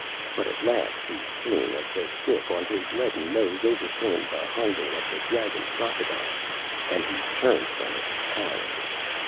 But at last the pain of the stick on his leaden nose overcame the hunger of the dragon crocodile, and he turned from it howling.